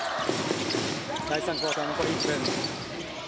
第３クオーター残り１分。